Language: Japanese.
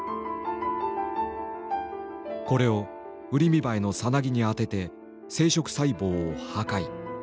これをウリミバエのさなぎに当てて生殖細胞を破壊。